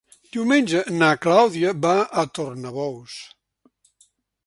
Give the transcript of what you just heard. Diumenge na Clàudia va a Tornabous.